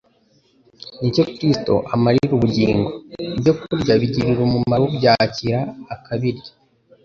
nicyo Kristo amarira ubugingo. Ibyo kurya bigirira umumaro ubyakira, akabirya.